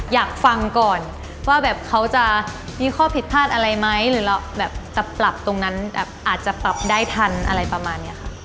อยากฟังก่อนว่าแบบเขาจะมีข้อผิดพลาดอะไรไหมหรือเราแบบจะปรับตรงนั้นแบบอาจจะปรับได้ทันอะไรประมาณนี้ค่ะ